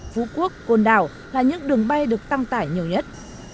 phú quốc côn đảo là những đường bay được tăng tải nhiều nhất